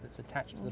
dan setiap atas berat